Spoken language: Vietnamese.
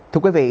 thưa quý vị